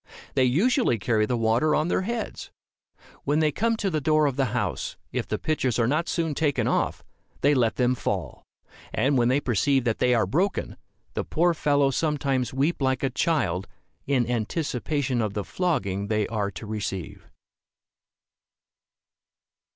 They usually carry the water on their heads. When they come to the door of the house, if the pitchers are not soon taken off, they let them fall; and when they perceive that they are broken, the poor fellows sometimes weep like a child, in anticipation of the flogging they are to receive.